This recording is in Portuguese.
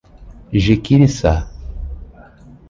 Jiquiriçá